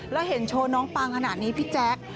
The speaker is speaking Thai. แล้วเห็นโชว์น้องปังขนาดนี้พี่แจ๊ค